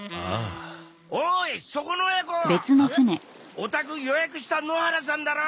お宅予約した野原さんだろ？